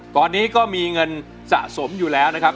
ตอนนี้ก็มีเงินสะสมอยู่แล้วนะครับ